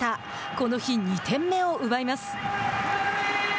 この日、２点目を奪います。